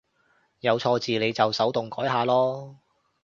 有錯字你就手動改下囉